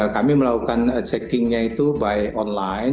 kami melakukan cekingnya itu online